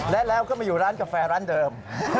และแล้วก็มาอยู่ร้านกาแฟร้านเดิม